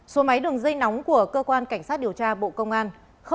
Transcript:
số máy đường dây nóng của cơ quan cảnh sát điều tra bộ công an